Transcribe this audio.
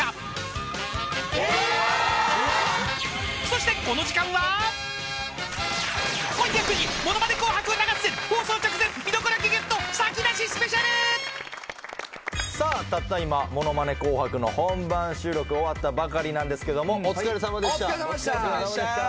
［そして］たった今『ものまね紅白』の本番収録終わったばかりなんですがお疲れさまでした。